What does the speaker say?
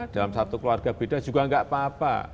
dalam satu keluarga beda juga nggak apa apa